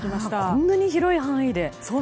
こんなに広い範囲で。